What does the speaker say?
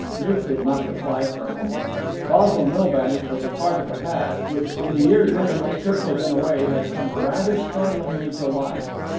Ruth did not reply for a moment. Basil Milbank was a part of the past which, in the year during which Kirk had been away, had come rather startlingly to life.